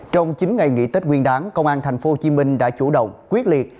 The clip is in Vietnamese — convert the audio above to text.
trong chín ngày nghỉ tết nguyên đáng công an thành phố hồ chí minh đã chủ động quyết liệt